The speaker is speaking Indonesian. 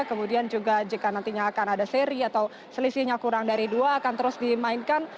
kemudian juga jika nantinya akan ada seri atau selisihnya kurang dari dua akan terus dimainkan